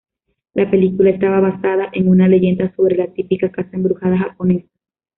La película está basada en una leyenda sobre la típica casa embrujada japonesa.